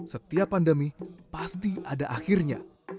setiap pandemi pasti ada akhirnya